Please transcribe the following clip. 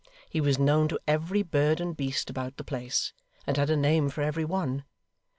He was known to every bird and beast about the place, and had a name for every one.